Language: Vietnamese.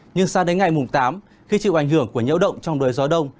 nhưng sang đến ngày mùng tám khi chịu ảnh hưởng của nhiễu động trong đời gió đông